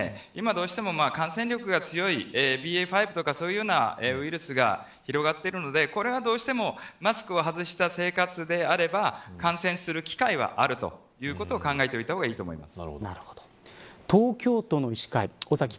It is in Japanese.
コロナの場合は今どうしても感染力が強いＢＡ．５とかそういうようなウイルスが広がっているので、これはどうしてもマスクを外した生活であれば感染する機会はあるということを考えておいた方がいいと思います。